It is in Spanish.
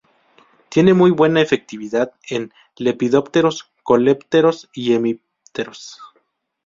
Tiene muy buena efectividad en lepidópteros, coleópteros y hemípteros.